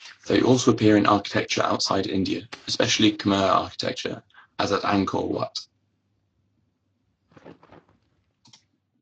They also appear in architecture outside India, especially Khmer architecture, as at Angkor Wat.